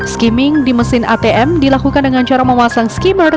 skimming di mesin atm dilakukan dengan cara memasang skimmer